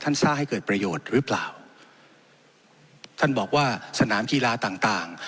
สร้างให้เกิดประโยชน์หรือเปล่าท่านบอกว่าสนามกีฬาต่างต่าง